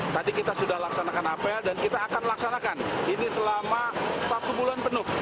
tadi kita sudah laksanakan apel dan kita akan laksanakan ini selama satu bulan penuh